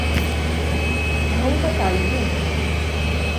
Nunca tal vin!